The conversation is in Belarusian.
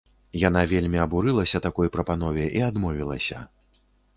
Яна вельмі абурылася такой прапанове і адмовілася.